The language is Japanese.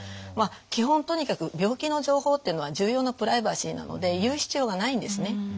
まあ基本とにかく病気の情報っていうのは重要なプライバシーなので言う必要がないんですね。